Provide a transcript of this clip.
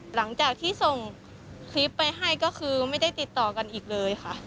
หลังจากที่ส่งคลิปไปให้ก็คือไม่ได้ติดต่อกันอีกเลยค่ะ